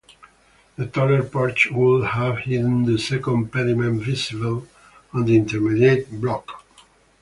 The taller porch would have hidden the second pediment visible on the intermediate block.